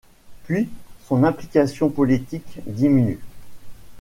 Puis son implication politique diminue.